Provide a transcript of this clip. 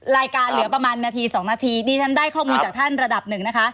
เหลือประมาณนาที๒นาทีดิฉันได้ข้อมูลจากท่านระดับหนึ่งนะคะ